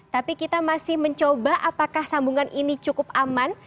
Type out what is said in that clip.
tapi kita masih mencoba apakah sambungan ini cukup aman